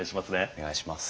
お願いします。